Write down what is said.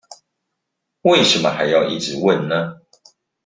為什麼還要一直問呢？